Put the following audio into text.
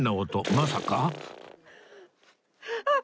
まさか！？